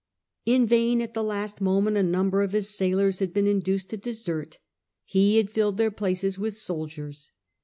In vain at the last moment a number of his sailors had been induced to desert; he had filled their places with soldiers.